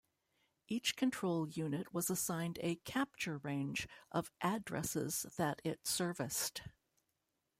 Each control unit was assigned a "capture range" of addresses that it serviced.